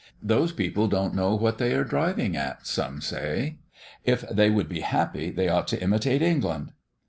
"Those people don't know what they are driving at," say some; "if they would be happy they ought to imitate England."